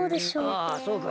ああそうか。